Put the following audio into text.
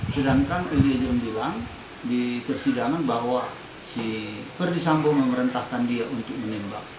sedangkan eliezer bilang di persidangan bahwa si perdisambo memerintahkan dia untuk menembak